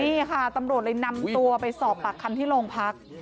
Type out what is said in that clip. นี่ค่ะตำรวจเลยนำตัวไปสอบปากคำที่โรงพัก